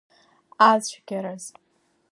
Ацәгьараз.